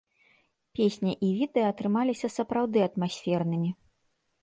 Песня і відэа атрымаліся сапраўды атмасфернымі.